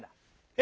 え